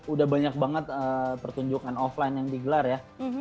udah banyak banget pertunjukan offline yang digelar ya